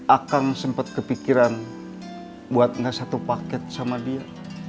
akang sempat kepikiran buat gak satu paket sama dia